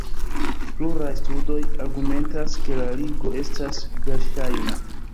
Pluraj studoj argumentas ke la ligo estas verŝajna.